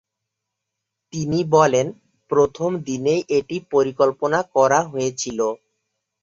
তিনি বলেন, প্রথম দিনেই এটি পরিকল্পনা করা হয়েছিল।